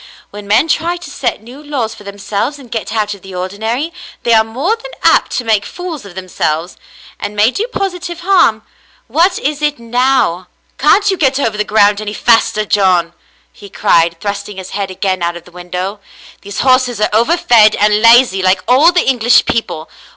When men try to set new laws for themselves and get out of the ordinary, they are more than apt to make fools of themselves, and may do positive harm. What is it now ?" "Can't you get over the ground any faster, John?" he cried, thrusting his head again out of the window. "These horses are overfed and lazy, like all the English people.